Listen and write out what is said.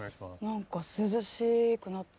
涼しくなった。